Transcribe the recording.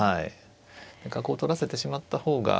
だからこう取らせてしまった方が。